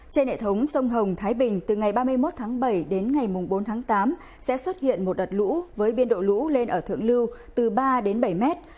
trên hệ thống sông hồng thái bình từ ngày ba mươi một tháng bảy đến ngày bốn tháng tám sẽ xuất hiện một đợt lũ với biên độ lũ lên ở thượng lưu từ ba đến bảy mét